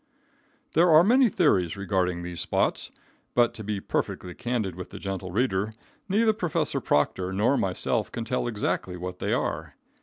There are many theories regarding these spots, but, to be perfectly candid with the gentle reader, neither Prof. Proctor nor myself can tell exactly what they are.